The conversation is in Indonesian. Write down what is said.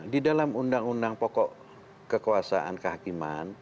di dalam undang undang pokok kekuasaan kehakiman